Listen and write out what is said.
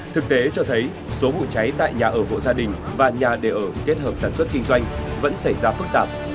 thực tế cho thấy số vụ cháy tại nhà ở hộ gia đình và nhà để ở kết hợp sản xuất kinh doanh vẫn xảy ra phức tạp